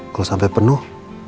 kalau sampai penuh